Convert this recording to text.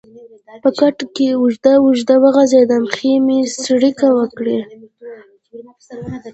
په کټ کې اوږد اوږد وغځېدم، پښې مې څړیکه وکړې.